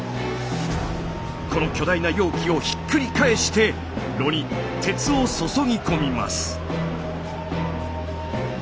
この巨大な容器をひっくり返して炉に鉄を注ぎ込みます。